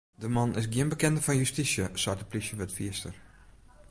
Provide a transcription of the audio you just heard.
De man is gjin bekende fan justysje, seit in plysjewurdfierster.